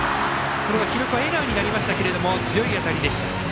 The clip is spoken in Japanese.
これは記録はエラーになりましたが強い当たりでした。